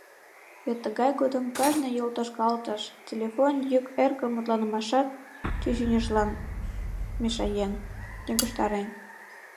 Вет тыгай годым кажне йолтошкалтыш, телефон йӱк эркын мутланымашат чӱчӱньыжлан мешаен, йыгыжтарен.